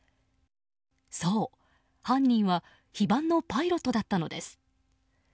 そう、犯人は非番のパイロットだったのです。